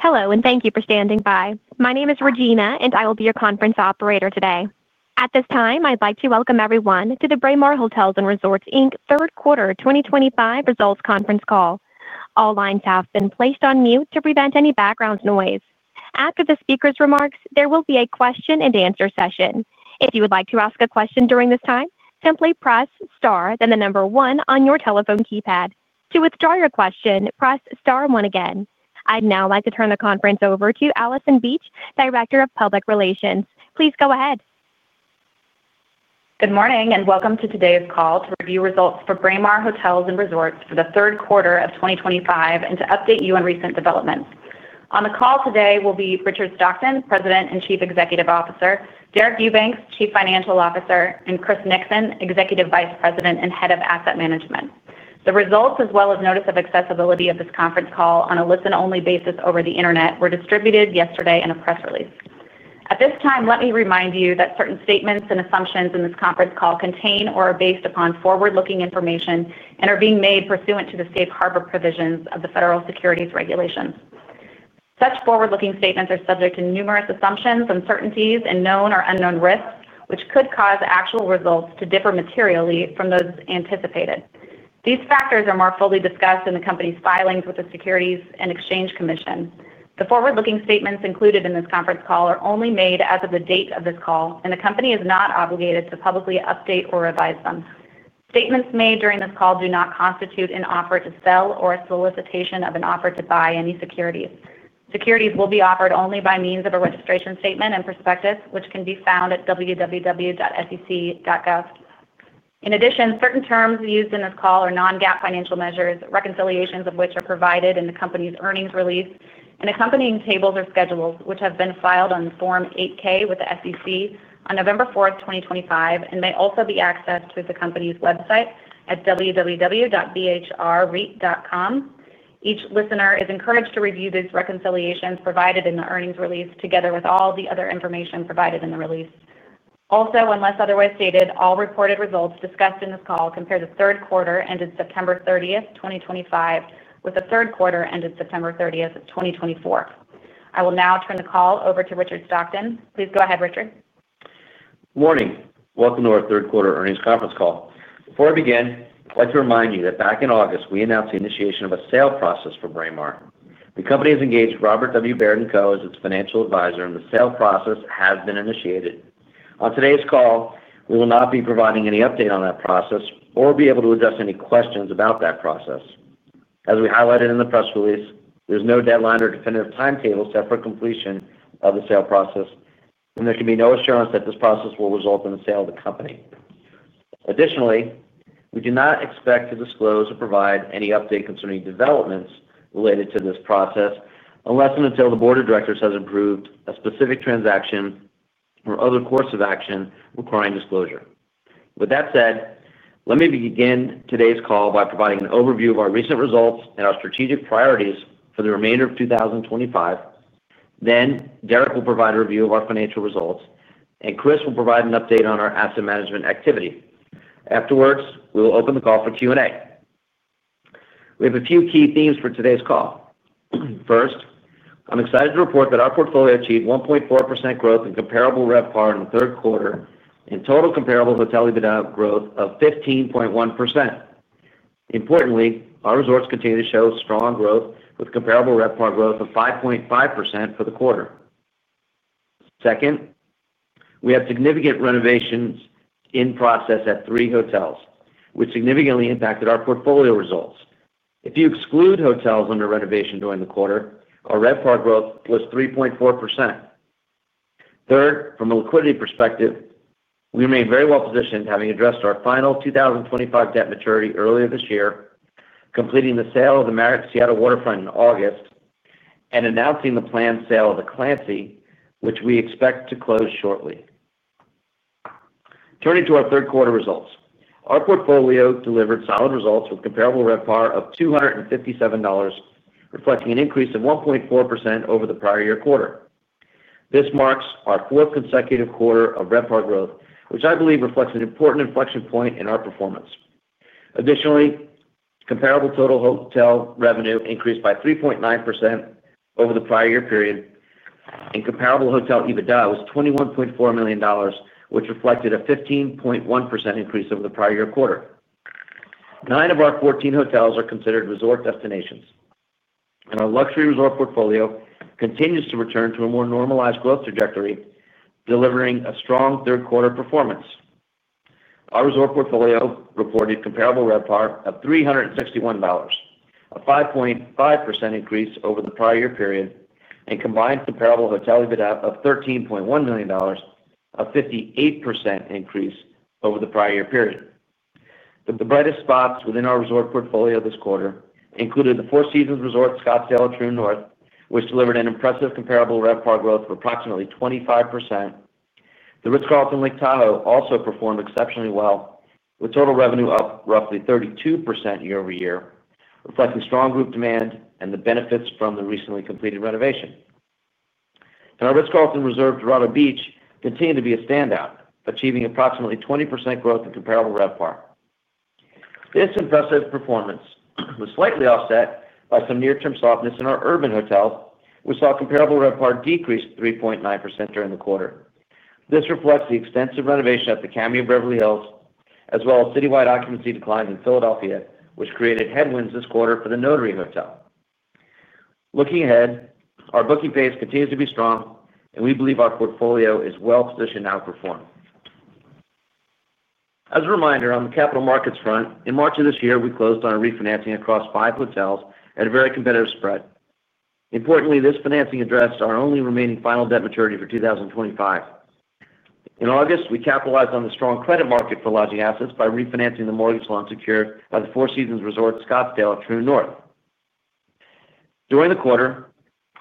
Hello and thank you for standing by. My name is Regina and I will be your conference operator today. At this time I'd like to welcome everyone to the Braemar Hotels & Resorts third quarter 2025 results conference call. All lines have been placed on mute to prevent any background noise. After the speaker's remarks, there will be a question-and-answer session. If you would like to ask a question during this time, simply press star then the number one on your telephone keypad. To withdraw your question, press star one again. I'd now like to turn the conference over to Allison Beach, Director of Public Relations. Please go ahead. Good morning and welcome to today's call to review results for Braemar Hotels & Resorts for the third quarter of 2025 and to update you on recent developments. On the call today will be Richard Stockton, President and Chief Executive Officer, Deric Eubanks, Chief Financial Officer, and Chris Nixon, Executive Vice President and Head of Asset Management. The results, as well as notice of accessibility of this conference call on a listen only basis over the Internet, were distributed yesterday in a press release. At this time, let me remind you that certain statements and assumptions in this conference call contain or are based upon forward looking information and are being made pursuant to the safe harbor provisions of the Federal Securities Regulations. Such forward looking statements are subject to numerous assumptions, uncertainties, and known or unknown risks which could cause actual results to differ materially from those anticipated. These factors are more fully discussed in the company's filings with the Securities and Exchange Commission. The forward looking statements included in this conference call are only made as of the date of this call and the company is not obligated to publicly update or revise them. Statements made during this call do not constitute an offer to sell or a solicitation of an offer to buy any securities. Securities will be offered only by means of a registration statement and prospectus which can be found at www.sec.gov. In addition, certain terms used in this call are non-GAAP financial measures, reconciliations of which are provided in the company's earnings release and accompanying tables or schedules which have been filed on Form 8-K with the SEC on November 4, 2025 and may also be accessed through the company's website at www.bhrreit.com. Each listener is encouraged to review these reconciliations provided in the earnings release together with all the other information provided in the release. Also, unless otherwise stated, all reported results discussed in this call compare the third quarter ended September 30th, 2025 with the third quarter ended September 30th, 2024. I will now turn the call over to Richard Stockton. Please go ahead. Morning. Welcome to our third quarter earnings conference call. Before I begin, I'd like to remind you that back in August we announced the initiation of a sale process for Braemar. The company has engaged Robert W. Baird & Co. as its financial advisor and the sale process has been initiated. On today's call, we will not be providing any update on that process or be able to address any questions about that process. As we highlighted in the press release, there's no deadline or definitive timetable set for completion of the sale process and there can be no assurance that this process will result in the sale of the company. Additionally, we do not expect to disclose or provide any update concerning developments related to this process unless and until the Board of Directors has approved a specific transaction or other course of action requiring disclosure. With that said, let me begin today's call by providing an overview of our recent results and our strategic priorities for the remainder of 2025. Then, Deric will provide a review of our financial results and Chris will provide an update on our asset management activity. Afterwards, we will open the call for Q&A. We have a few key themes for today's call. First, I'm excited to report that our portfolio achieved 1.4% growth in comparable RevPAR in the third quarter and total comparable hotel EBITDA growth of 15.1%. Importantly, our resorts continue to show strong growth with comparable RevPAR growth of 5.5% for the quarter. Second, we had significant renovations in process at three hotels which significantly impacted our portfolio results. If you exclude hotels under renovation during the quarter, our RevPAR growth was 3.4%. Third, from a liquidity perspective, we remain very well positioned, having addressed our final 2025 debt maturity earlier this year, completing the sale of the Marriott Seattle Waterfront in August and announcing the planned sale of the Clancy, which we expect to close shortly. Turning to our third quarter results, our portfolio delivered solid results with comparable RevPAR of $257, reflecting an increase of 1.4% over the prior year quarter. This marks our fourth consecutive quarter of RevPAR growth, which I believe reflects an important inflection point in our performance. Additionally, comparable total hotel revenue increased by 3.9% over the prior year period and comparable Hotel EBITDA was $21.4 million, which reflected a 15.1% increase over the prior year quarter. Nine of our 14 hotels are considered resort destinations and our luxury resort portfolio continues to return to a more normalized growth trajectory, delivering a strong third quarter performance. Our resort portfolio reported comparable RevPAR of $361, a 5.5% increase over the prior year period and combined comparable hotel EBITDA of $13.1 million, a 58% increase over the prior year period. The brightest spots within our resort portfolio this quarter included the Four Seasons Resort Scottsdale at Troon North which delivered an impressive comparable RevPAR growth of approximately 25%. The Ritz-Carlton Lake Tahoe also performed exceptionally well with total revenue up roughly 32% year-over-year reflecting strong group demand and the benefits from the recently completed renovation. Our Ritz-Carlton Reserve Dorado Beach continued to be a standout achieving approximately 20% growth in comparable RevPAR. This impressive performance was slightly offset by some near term softness in our urban hotels. We saw comparable RevPAR decrease 3.9% during the quarter. This reflects the extensive renovation at the Cameo Beverly Hills as well as citywide occupancy declines in Philadelphia which created headwinds this quarter for The Notary Hotel. Looking ahead, our booking base continues to be strong and we believe our portfolio is well positioned to outperform. As a reminder on the capital markets front, in March of this year we closed on a refinancing across five hotels at a very competitive spread. Importantly, this financing addressed our only remaining final debt maturity for 2025. In August, we capitalized on the strong credit market for lodging assets by refinancing the mortgage loan secured by the Four Seasons Resort Scottsdale at Troon North. During the quarter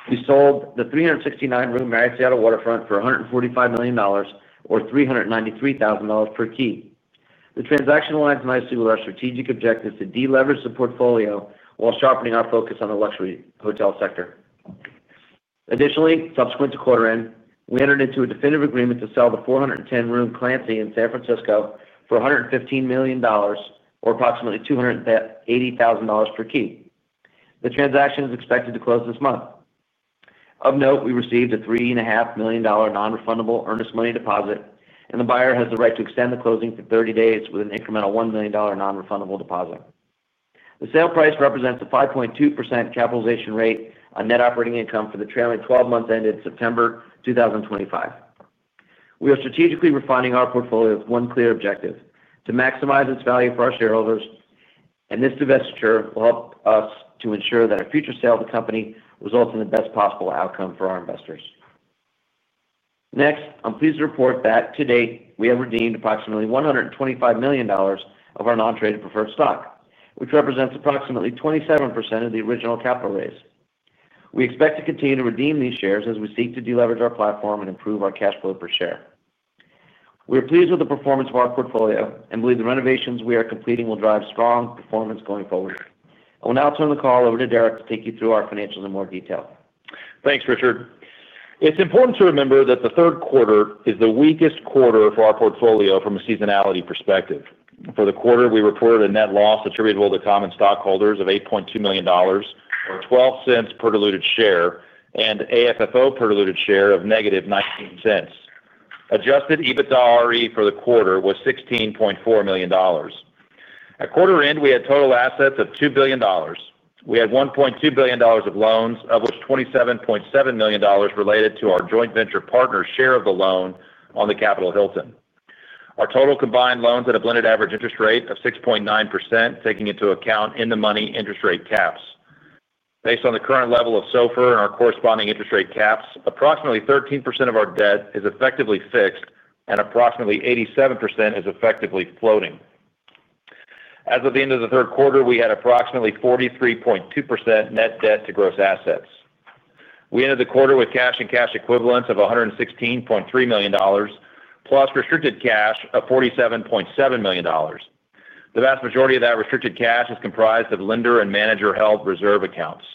we sold the 369 room Marriott Seattle Waterfront for $145 million or $393,000 per key. The transaction aligns nicely with our strategic objectives to deleverage the portfolio while sharpening our focus on the luxury hotel sector. Additionally, subsequent to quarter end we entered into a definitive agreement to sell the 410 room Clancy in San Francisco for $115 million or approximately $280,000 per key. The transaction is expected to close this month. Of note, we received a $3.5 million nonrefundable earnest money deposit and the buyer has the right to extend the closing for 30 days with an incremental $1 million nonrefundable deposit. The sale price represents a 5.2% capitalization rate on net operating income for the trailing 12 months ended September 2025. We are strategically refining our portfolio with one clear objective to maximize its value for our shareholders and this divestiture will help us to ensure that our future sale of the company results in the best possible outcome for our investors. Next, I'm pleased to report that to date we have redeemed approximately $125 million of our non traded preferred stock which represents approximately 27% of the original capital raise. We expect to continue to redeem these shares as we seek to deleverage our platform and improve our cash flow per share. We are pleased with the performance of our portfolio and believe the renovations we are completing will drive strong performance going forward. I will now turn the call over to Deric to take you through our financials in more detail. Thanks, Richard. It's important to remember that the third quarter is the weakest quarter for our portfolio from a seasonality perspective. For the quarter we reported a net loss attributable to common stockholders of $8.2 million or $0.12 per diluted share and AFFO per diluted share of -$0.19. Adjusted EBITDAre for the quarter was $16.4 million. At quarter end we had total assets of $2 billion. We had $1.2 billion of loans of which $27.7 million related to our joint venture partner's share of the loan on the Capital Hilton. Our total combined loans had a blended average interest rate of 6.9%. Taking into account in-the-money interest rate caps based on the current level of SOFR and our corresponding interest rate caps, approximately 13% of our debt is effectively fixed and approximately 87% is effectively floating. As of the end of the third quarter we had approximately 43.2% net debt to gross assets. We ended the quarter with cash and cash equivalents of $116.3 million+ restricted cash of $47.7 million. The vast majority of that restricted cash is comprised of lender and manager held reserve accounts.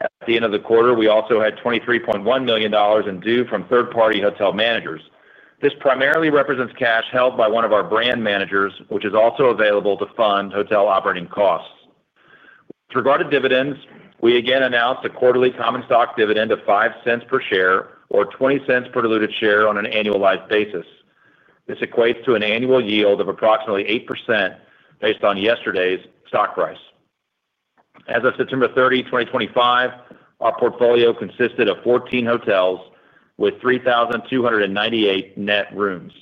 At the end of the quarter we also had $23.1 million in due from third party hotel managers. This primarily represents cash held by one of our brand managers which is also available to fund hotel operating costs. With regard to dividends, we again announced a quarterly common stock dividend of $0.05 per share or $0.20 per diluted share. On an annualized basis, this equates to an annual yield of approximately 8% based on yesterday's stock price. As of September 30, 2025, our portfolio consisted of 14 hotels with 3,298 net rooms.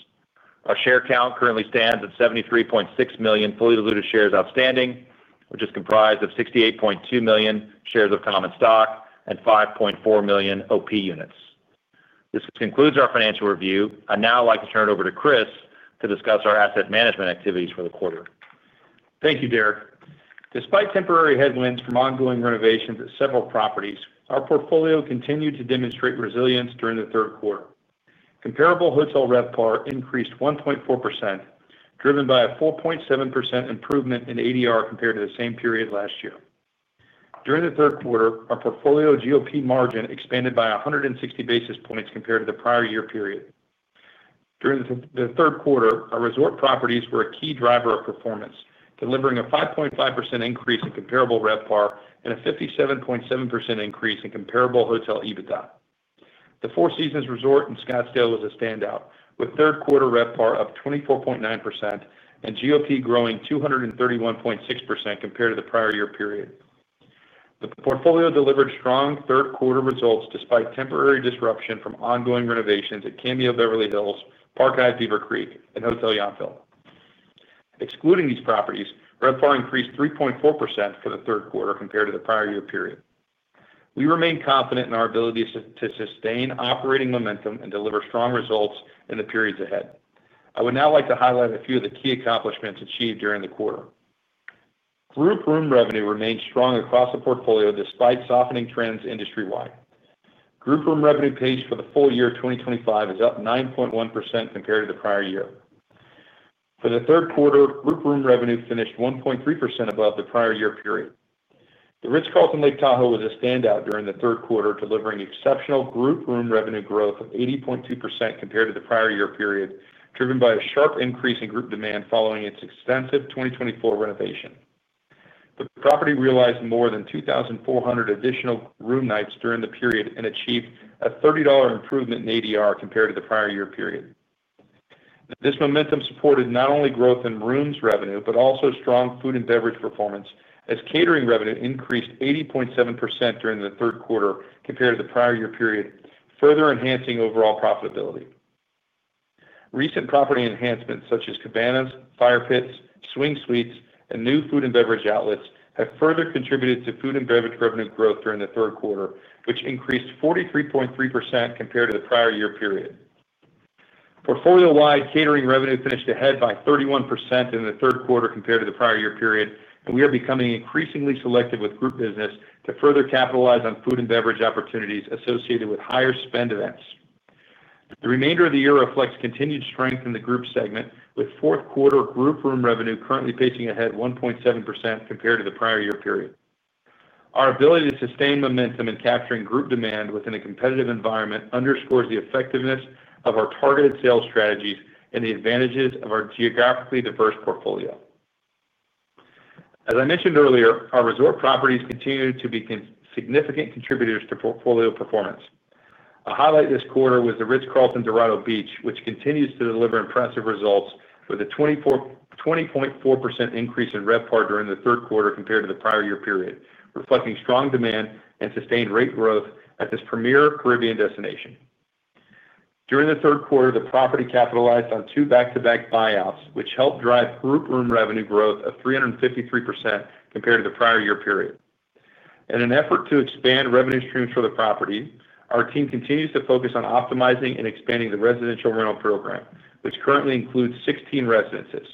Our share count currently stands at 73.6 million fully diluted shares outstanding, which is comprised of 68.2 million shares of common stock and 5.4 million OP units. This concludes our financial review. I'd now like to turn it over to Chris to discuss our asset management activities for the quarter. Thank you, Deric. Despite temporary headwinds from ongoing renovations at several properties, our portfolio continued to demonstrate resilience during the third quarter. Comparable hotel RevPAR increased 1.4%, driven by a 4.7% improvement in ADR compared to the same period last year. During the third quarter, our portfolio GOP margin expanded by 160 basis points compared to the prior year period. During the third quarter, our resort properties were a key driver of performance, delivering a 5.5% increase in comparable RevPAR and a 57.7% increase in Comparable Hotel EBITDA. The Four Seasons Resort in Scottsdale was a standout, with third quarter RevPAR up 24.9% and GOP growing 231.6% compared to the prior year period. The portfolio delivered strong third quarter results despite temporary disruption from ongoing renovations at Cameo Beverly Hills, Park Hyatt Beaver Creek, and Hotel Yountville. Excluding these properties, RevPAR increased 3.4% for the third quarter compared to the prior year period. We remain confident in our ability to sustain operating momentum and deliver strong results in the periods ahead. I would now like to highlight a few of the key accomplishments achieved during the quarter. Group room revenue remains strong across the portfolio despite softening trends industry wide. Group room revenue pace for the full year 2025 is up 9.1% compared to the prior year. For the third quarter, group room revenue finished 1.3% above the prior year period. The Ritz-Carlton Lake Tahoe was a standout during the third quarter, delivering exceptional group room revenue growth of 80.2% compared to the prior year period, driven by a sharp increase in group demand following its extensive 2024 renovation. The property realized more than 2,400 additional room nights during the period and achieved a $30 improvement in ADR compared to the prior year period. This momentum supported not only growth in rooms revenue but also strong food and beverage performance as catering revenue increased 80.7% during the third quarter compared to the prior year period, further enhancing overall profitability. Recent property enhancements such as cabanas, fire pits, swing suites and new food and beverage outlets have further contributed to food and beverage revenue growth during the third quarter, which increased 43.3% compared to the prior year period. Portfolio wide catering revenue finished ahead by 31% in the third quarter compared to the prior year period and we are becoming increasingly selective with group business to further capitalize on food and beverage opportunities associated with higher spend events. The remainder of the year reflects continued strength in the group segment with fourth quarter group room revenue currently pacing ahead 1.7% compared to the prior year period. Our ability to sustain momentum in capturing group demand within a competitive environment underscores the effectiveness of our targeted sales strategies and the advantages of our geographically diverse portfolio. As I mentioned earlier, our resort properties continue to be significant contributors to portfolio performance. A highlight this quarter was the Ritz-Carlton Dorado Beach which continues to deliver impressive results with a 20.4% increase in RevPAR during the third quarter compared to the prior year period, reflecting strong demand and sustained rate growth at this premier Caribbean destination. During the third quarter, the property capitalized on two back-to-back buyouts which helped drive group room revenue growth of 353% compared to the prior year period. In an effort to expand revenue streams for the property, our team continues to focus on optimizing and expanding the residential rental program which currently includes 16 residences.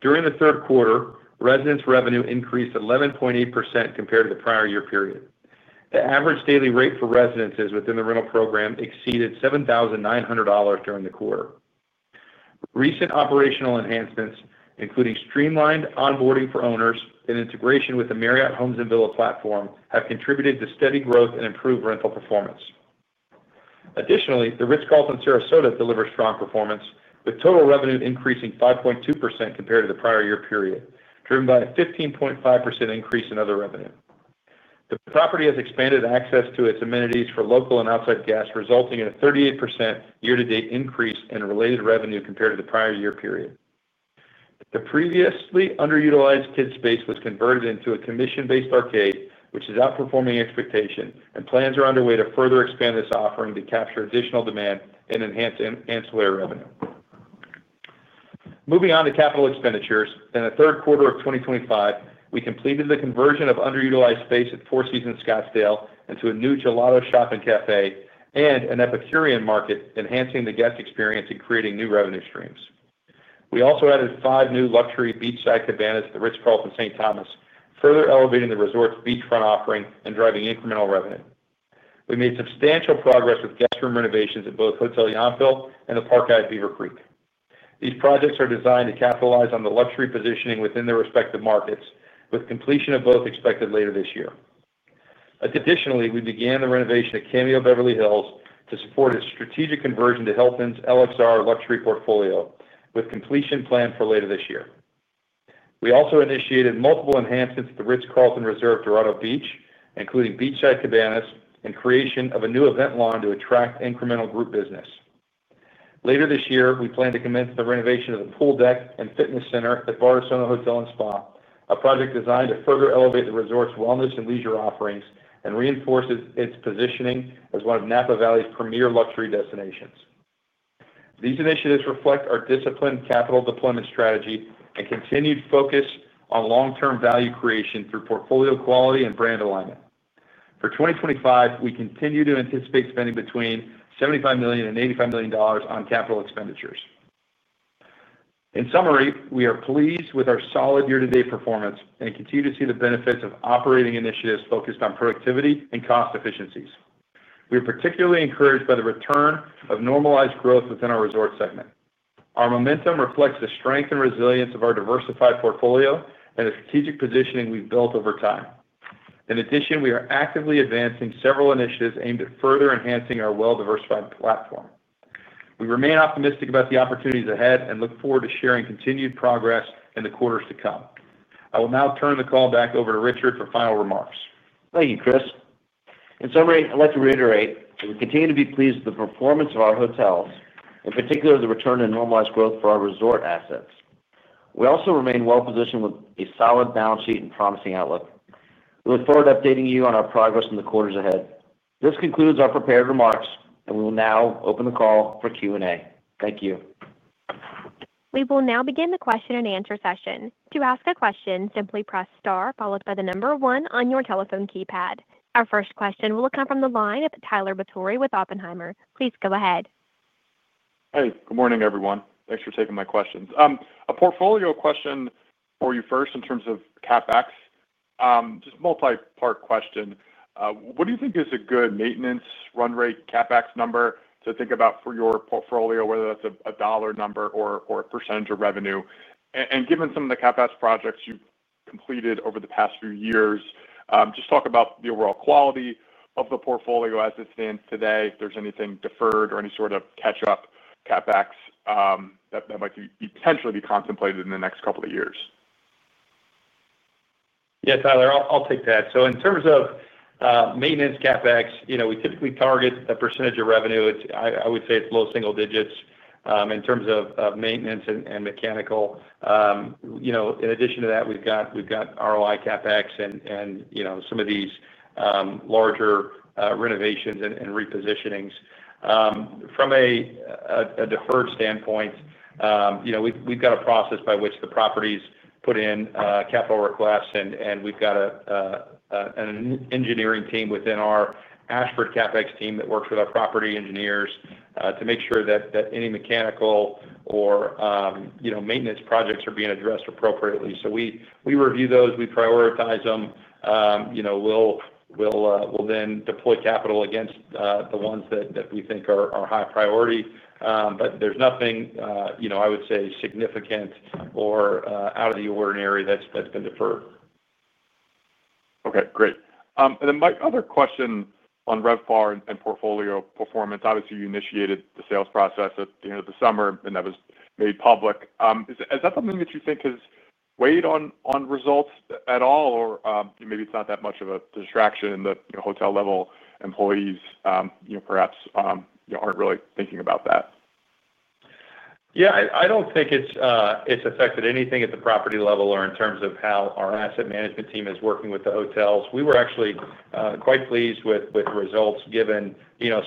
During the third quarter, residence revenue increased 11.8% compared to the prior year period. The average daily rate for residences within the rental program exceeded $7,900 during the quarter. Recent operational enhancements including streamlined onboarding for owners and integration with the Marriott Homes and Villas platform have contributed to steady growth and improved rental performance. Additionally, The Ritz-Carlton Sarasota delivers strong performance with total revenue increasing 5.2% compared to the prior year period, driven by a 15.5% increase in other revenue. The property has expanded access to its amenities for local and outside guests, resulting in a 38% year to date increase in related revenue compared to the prior year period. The previously underutilized kids space was converted into a commission-based arcade which is outperforming expectations, and plans are underway to further expand this offering to capture additional demand and enhance ancillary revenue. Moving on to capital expenditures in the third quarter of 2025, we completed the conversion of underutilized space at Four Seasons Scottsdale into a new gelato shop and cafe and an epicurean market, enhancing the guest experience and creating new revenue streams. We also added five new luxury beachside cabanas at The Ritz-Carlton St. Thomas, further elevating the resort's beachfront offering and driving incremental revenue. We made substantial progress with guest room renovations at both Hotel Yountville and the Park Hyatt Beaver Creek. These projects are designed to capitalize on the luxury positioning within their respective markets, with completion of both expected later this year. Additionally, we began the renovation at Cameo Beverly Hills to support a strategic conversion to Hilton's LXR luxury portfolio, with completion planned for later this year. We also initiated multiple enhancements at the Ritz-Carlton Reserve Dorado Beach, including beachside cabanas and creation of a new event lawn to attract incremental group business. Later this year, we plan to commence the renovation of the pool deck and fitness center at Bardessono Hotel and Spa, a project designed to further elevate the resort's wellness and leisure offerings and reinforces its positioning as one of Napa Valley's premier luxury destinations. These initiatives reflect our disciplined capital deployment strategy and continued focus on long-term value creation through portfolio quality and brand alignment. For 2025, we continue to anticipate spending between $75 million and $85 million on capital expenditures. In summary, we are pleased with our solid year-to-date performance and continue to see the benefits of operating initiatives focused on productivity and cost efficiencies. We are particularly encouraged by the return of normalized growth within our resort segment. Our momentum reflects the strength and resilience of our diversified portfolio and the strategic positioning we've built over time. In addition, we are actively advancing several initiatives aimed at further enhancing our well diversified platform. We remain optimistic about the opportunities ahead and look forward to sharing continued progress in the quarters to come. I will now turn the call back over to Richard for final remarks. Thank you, Chris. In summary, I'd like to reiterate we continue to be pleased with the performance of our hotels, in particular the return in normalized growth for our resort assets. We also remain well positioned with a solid balance sheet and promising outlook. We look forward to updating you on our progress in the quarters ahead. This concludes our prepared remarks and we will now open the call for Q&A. Thank you. We will now begin the question-and-answer session. To ask a question, simply press star followed by the number one on your telephone keypad. Our first question will come from the line of Tyler Batory with Oppenheimer. Please go ahead. Hey good morning everyone. Thanks for taking my questions. A portfolio question for you first. In terms of CapEx, just multi part question, what do you think is a good maintenance run rate CapEx number to think about for your portfolio? Whether that's a dollar number or a percentage of revenue. Given some of the CapEx projects you've completed over the past few years, just talk about the overall quality of the portfolio as it stands today. If there's anything deferred or any sort of catch-up CapEx that might potentially be contemplated in the next couple of years. Yes Tyler, I'll take that. In terms of maintenance CapEx, you know, we typically target a percentage of revenue. I would say it's low single digits in terms of maintenance and mechanical. You know, in addition to that, we've got. We've got ROI CapEx and, you know, some of these larger renovations and repositionings. From a deferred standpoint, you know, we've got a process by which the properties put in capital requests, and we've got an engineering team within our Ashford CapEx team that works with our property engineers to make sure that any mechanical or, you know, maintenance projects are being addressed appropriately. So we review those, we prioritize them. You know, we'll then deploy capital against the ones that we think are high priority. But there's nothing, you know, I would say, significant or out of the ordinary that's been deferred. Okay, great. Then my other question on RevPAR and portfolio performance. Obviously you initiated the sales process at the end of the summer and that was made public. Is that something that you think has weighed on results at all or maybe it's not that much of a distraction at the hotel level? Employees perhaps aren't really thinking about that. Yeah, I don't think it's affected anything at the property level or in terms of how our asset management team is working with the hotels. We were actually quite pleased with the results given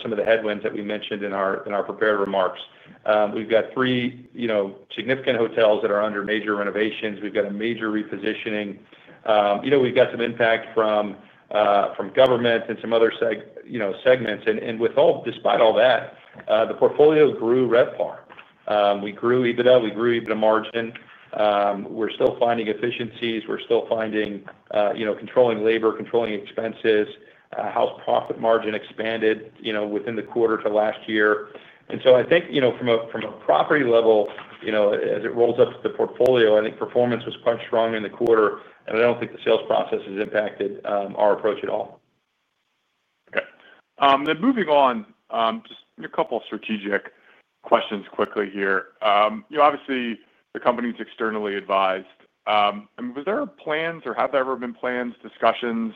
some of the headwinds that we mentioned in our prepared remarks. We've got three significant hotels that are under major renovations. We've got a major repositioning. You know, we've got some impact from government and some other segments. Despite all that, the portfolio grew RevPAR, we grew EBITDA. We grew EBITDA margin. We're still finding efficiencies. We're still finding, you know, controlling labor, controlling expenses. House profit margin expanded, you know, within the quarter to last year. I think, you know, from a property level, you know, as it rolls up to the portfolio, I think performance was quite strong in the quarter, and I don't think the sales process has impacted our approach at all. Okay, then, moving on, just a couple strategic questions quickly here. You know, obviously the company's externally advised. Was there plans or have there ever been plans, discussions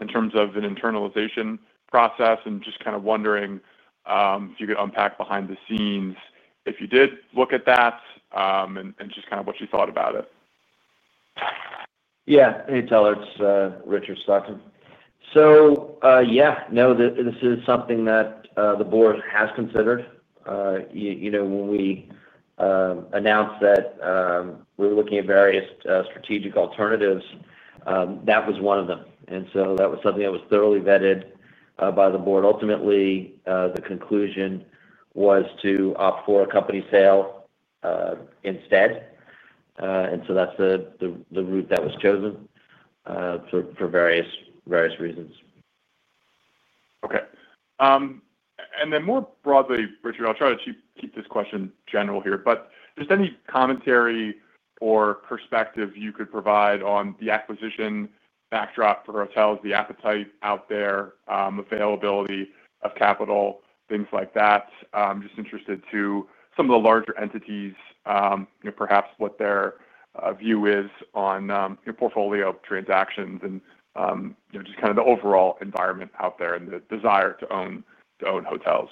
in terms of an internalization process and just kind of wondering if you could unpack behind the scenes, if you did look at that and just kind of what you thought about it. Yeah, hey, Tyler, it's Richard Stockton. Yeah, no, this is something that the board has considered. You know, when we announced that we were looking at various strategic alternatives, that was one of them. That was something that was thoroughly vetted by the board. Ultimately, the conclusion was to opt for a company sale instead. That is the route that was chosen for various, various reasons. Okay. Richard, I'll try to keep this question general here, but just any commentary or perspective you could provide on the acquisition backdrop for hotels, the appetite out there, availability of capital, things like that. I'm just interested to some of the larger entities, perhaps what their view is on portfolio transactions and just kind of the overall environment out there and the desire to own hotels.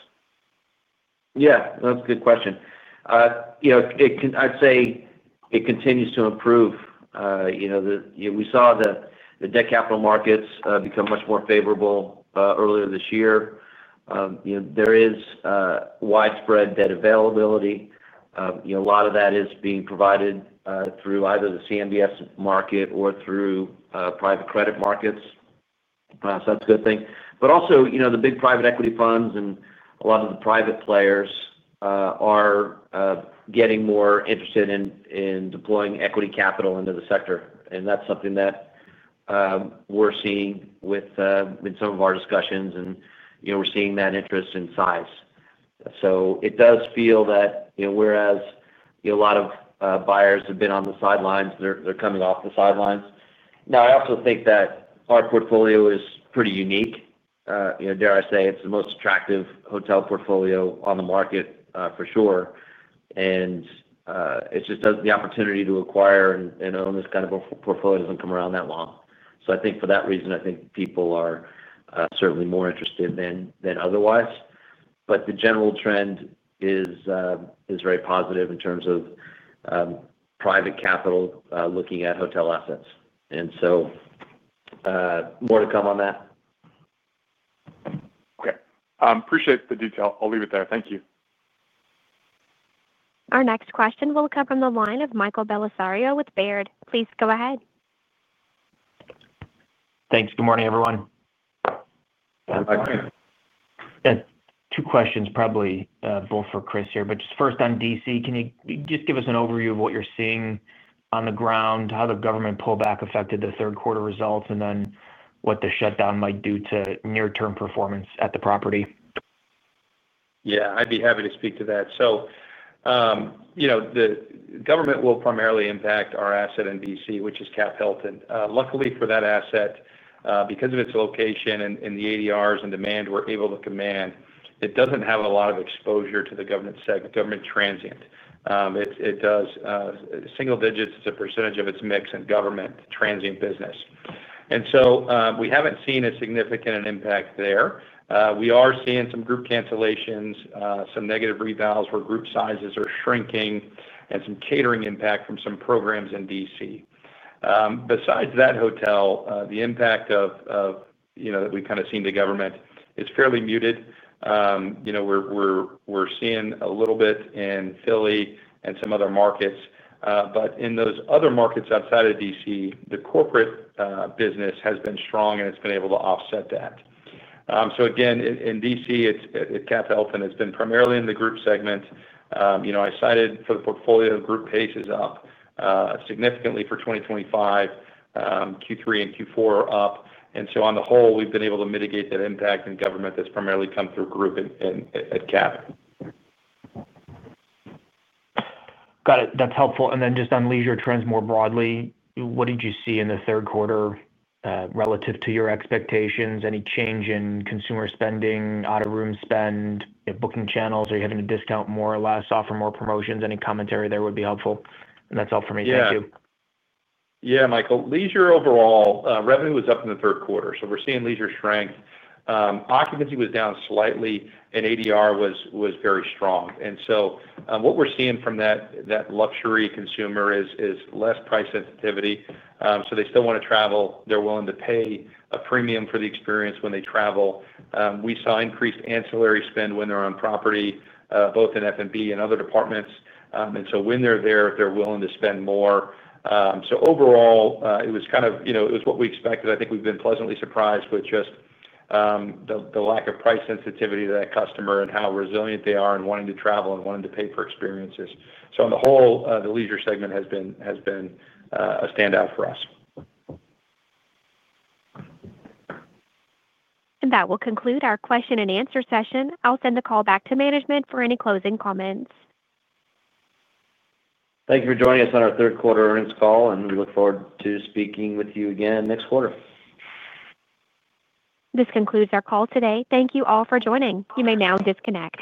Yeah, that's a good question. I'd say it continues to improve. You know, we saw the debt capital markets become much more favorable earlier this year. You know, there is widespread debt availability. You know, a lot of that is being provided through either the CMBS market or through private credit markets. That's a good thing. Also, you know, the big private equity funds and a lot of the private players are getting more interested in deploying equity capital into the sector. That's something that we're seeing with some of our discussions. We're seeing that interest in size. It does feel that whereas a lot of buyers have been on the sidelines, they're coming off the sidelines now. I also think that our portfolio is pretty unique. Dare I say it's the most attractive hotel portfolio on the market for sure. It just doesn't. The opportunity to acquire and own this kind of portfolio does not come around that long. I think for that reason, I think people are certainly more interested than otherwise. The general trend is very positive in terms of private capital looking at hotel assets and more to come on that. Appreciate the detail. I'll leave it there, thank you. Our next question will come from the line of Michael Bellisario with Baird. Please go ahead. Thanks. Good morning, everyone. Two questions, probably both for Chris here, but just first on D.C., can you just give us an overview of what you're seeing on the ground? How the government pullback affected the third quarter results and then what the shutdown? Might do to near term performance at the property? Yeah, I'd be happy to speak to that. So, you know, the government will primarily impact our asset in D.C., which is Capital Hilton. Luckily for that asset, because of its location and the ADRs and demand we're able to command, it does not have a lot of exposure to the government segment. Government transient, it does single digits as a percentage of its mix in government transient business. And so we have not seen a significant impact there. We are seeing some group cancellations, some negative revals where group sizes are shrinking and some catering impact from some programs in D.C. Besides that hotel, the impact of, you know, that we have kind of seen from the government is fairly muted. You know, we are seeing a little bit in Philly and some other markets. In those other markets outside of D.C. The corporate business has been strong and it's been able to offset that. In D.C. at Capital Hilton, it has been primarily in the group segment. You know, I cited for the portfolio group pace is up significantly for 2025, Q3 and Q4 are up. On the whole, we've been able to mitigate that impact in government, that's primarily come through grouping at Capital Hilton. Got it. That's helpful. Just on leisure trends more broadly, what did you see in the third quarter relative to your expectations? Any change in consumer spending, out of room spend booking channels? Are you having to discount more or less? Offer more promotions? Any commentary there would be helpful. That is all for me. Thank you. Yeah, Michael, leisure overall revenue was up in the third quarter, so we're seeing leisure strength. Occupancy was down slightly and ADR was very strong. What we're seeing from that luxury consumer is less price sensitivity. They still want to travel. They're willing to pay a premium for the experience when they travel. We saw increased ancillary spend when they're on property, both in FNB and other departments. When they're there, they're willing to spend more. Overall it was kind of, you know, it was what we expected. I think we've been pleasantly surprised, but with just the lack of price sensitivity to that customer and how resilient they are and wanting to travel and wanting to pay for experiences. On the whole, the leisure segment has been a standout for us. That will conclude our question and answer session. I'll send the call back to management for any closing comments. Thank you for joining us on our third quarter earnings call and we look forward to speaking with you again next quarter. This concludes our call today. Thank you all for joining. You may now disconnect.